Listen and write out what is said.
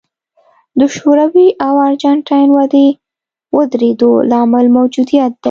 د شوروي او ارجنټاین ودې درېدو لامل موجودیت دی.